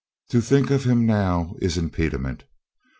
"To think of him now is rriere impediment."